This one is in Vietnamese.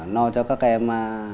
no cho các em